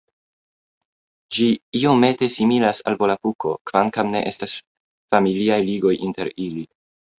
Ĝi iomete similas al Volapuko kvankam ne estas familiaj ligoj inter ili.